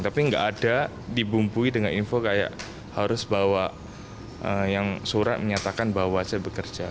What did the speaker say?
tapi nggak ada dibumpui dengan info kayak harus bawa yang surat menyatakan bahwa saya bekerja